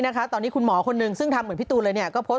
นะคะตอนนี้คุณหมอคนหนึ่งซึ่งทำเหมือนพี่ตูนเลยเนี่ยก็โพสต์